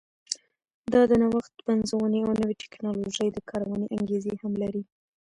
دا د نوښت، پنځونې او نوې ټکنالوژۍ د کارونې انګېزې هم لري.